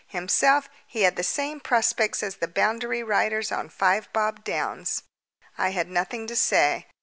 Himself, he had the same prospects as the boundary riders on Five Bob Downs. I had nothing to say.